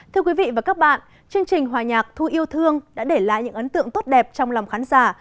thưa quý vị và các bạn chương trình hòa nhạc thu yêu thương đã để lại những ấn tượng tốt đẹp trong lòng khán giả